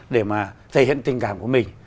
để mà thể hiện tình cảm của mình